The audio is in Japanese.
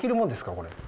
これ。